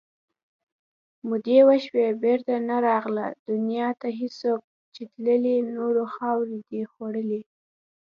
مودې وشوې بېرته نه راغله دنیا ته څوک چې تللي تورو مخاورو دي خوړلي